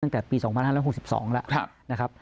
ตั้งแต่ปี๒๕๖๒แล้วนะครับ